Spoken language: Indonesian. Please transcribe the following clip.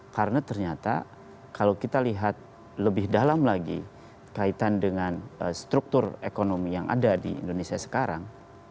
karena ternyata kalau kita lihat lebih dalam lagi kaitan dengan struktur ekonomi yang ada di indonesia sekarang